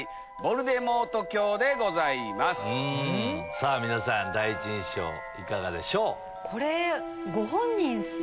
さぁ皆さん第一印象いかがでしょう？